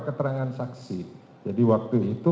keterangan saksi jadi waktu itu